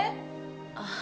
あっ。